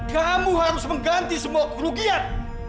kamu harus mengganti semua kerugian